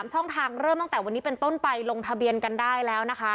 ช่องทางเริ่มตั้งแต่วันนี้เป็นต้นไปลงทะเบียนกันได้แล้วนะคะ